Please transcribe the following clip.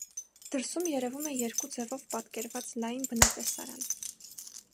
Դրսում երևում է երկու ձևով պատկերված լայն բնատեսարան։